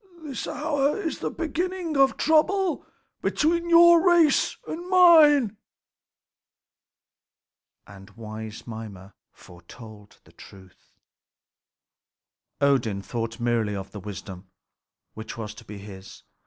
This hour is the beginning of trouble between your race and mine." And wise Mimer foretold the truth. Odin thought merely of the wisdom which was to be his.